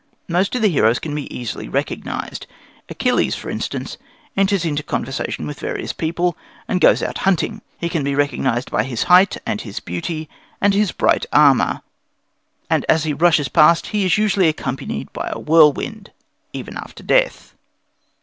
Most of the heroes can be easily recognized. Achilles, for instance, enters into conversation with various people, and goes out hunting. He can be recognized by his height and his beauty and his bright armour; and as he rushes past he is usually accompanied by a whirlwind [Greek: podarkês, dios], even after death.